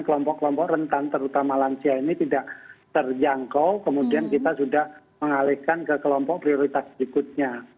kelompok kelompok rentan terutama lansia ini tidak terjangkau kemudian kita sudah mengalihkan ke kelompok prioritas berikutnya